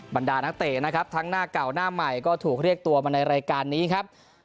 บรรดานักเตะนะครับทั้งหน้าเก่าหน้าใหม่ก็ถูกเรียกตัวมาในรายการนี้ครับ